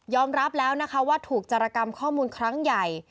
รับแล้วนะคะว่าถูกจรกรรมข้อมูลครั้งใหญ่